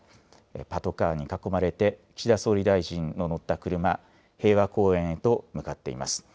パトカーに囲まれて、岸田総理大臣の乗った車、平和公園へと向かっています。